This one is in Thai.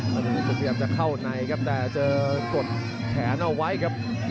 ลุงศัตรึงก็อยากจะเข้าในครับแต่จะกดแขนเอาไว้ครับ